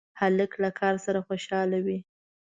هلک له کار سره خوشحاله وي.